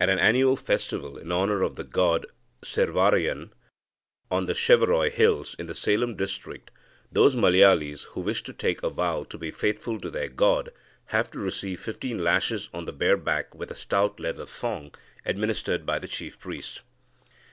At an annual festival in honour of the god Servarayan on the Shevaroy hills in the Salem district, those Malayalis who wish to take a vow to be faithful to their god have to receive fifteen lashes on the bare back with a stout leather thong, administered by the chief priest.